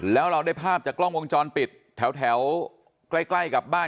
แล้วเราได้ภาพจากกล้องวงจรปิดแถวใกล้กับบ้าน